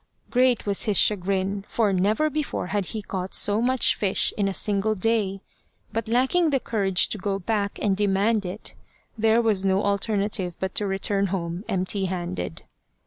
Great was his chagrin, for never before had he caught so much fish in a single day ; but lacking the courage to go back and demand it, there was no alternative but to return home empty handed.